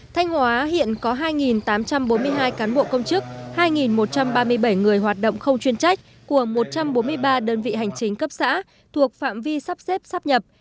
thanh hóa hiện có hai tám trăm bốn mươi hai cán bộ công chức hai một trăm ba mươi bảy người hoạt động không chuyên trách của một trăm bốn mươi ba đơn vị hành chính cấp xã thuộc phạm vi sắp xếp sắp nhập